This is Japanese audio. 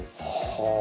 はあ。